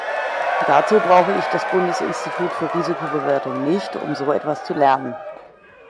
Dazu brauche ich das Bundesinstitut für Risikobewertung nicht, um so etwas zu lernen.